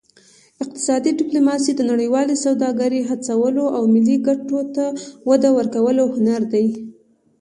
اقتصادي ډیپلوماسي د نړیوالې سوداګرۍ هڅولو او ملي ګټو ته وده ورکولو هنر دی